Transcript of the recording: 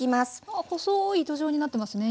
ああ細い糸状になってますね